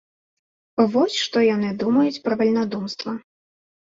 Вось што яны думаюць пра вальнадумства.